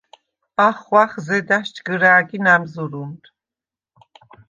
ახღვახ ზედა̈შ ჯგჷრა̄̈გი ნა̈მზჷრუნდ.